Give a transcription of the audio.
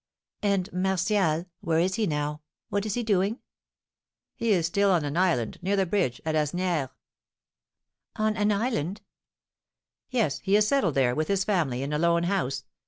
"And, Martial, where is he now? What is he doing?" "He is still on an island, near the bridge, at Asnières." "On an island?" "Yes, he is settled there, with his family, in a lone house.